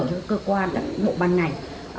cho cơ quan mộ ban ngành